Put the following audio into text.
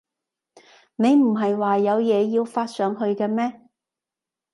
你唔喺話有嘢要發上去嘅咩？